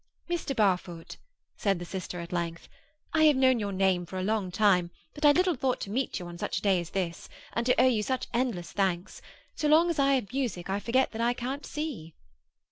"Mr. Barfoot," said the sister at length, "I have known your name for a long time, but I little thought to meet you on such a day as this, and to owe you such endless thanks. So long as I can have music I forget that I can't see."